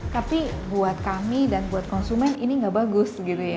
tapi buat kami dan buat konsumen ini nggak bagus